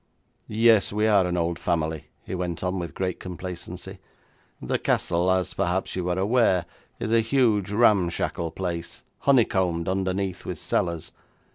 'Yes, we are an old family,' he went on with great complacency. 'The castle, as perhaps you are aware, is a huge, ramshackle place, honeycombed underneath with cellars.